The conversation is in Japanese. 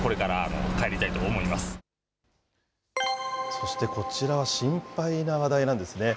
そしてこちら、心配な話題なんですね。